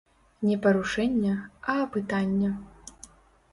Не парушэння, а апытання.